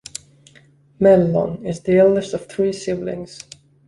Mellon is the eldest of three siblings.